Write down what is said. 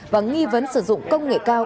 và nghi vấn sử dụng công nghệ cao